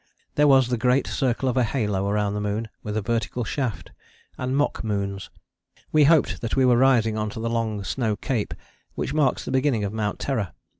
There was the great circle of a halo round the moon with a vertical shaft, and mock moons. We hoped that we were rising on to the long snow cape which marks the beginning of Mount Terror.